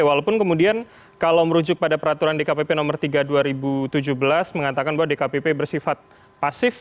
walaupun kemudian kalau merujuk pada peraturan dkpp nomor tiga dua ribu tujuh belas mengatakan bahwa dkpp bersifat pasif